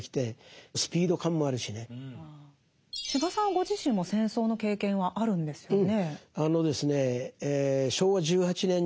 ご自身も戦争の経験はあるんですよね。